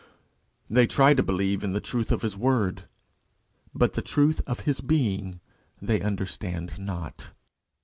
They try to believe in the truth of his word, but the truth of his Being, they understand not.